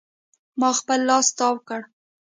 ما خپل لاس تاو کړ.